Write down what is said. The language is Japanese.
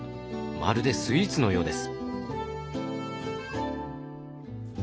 まるでスイーツのようです。